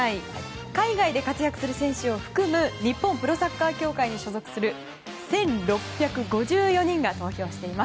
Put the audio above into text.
海外で活躍する選手を含む日本プロサッカー協会に所属する１６５４人が投票しています。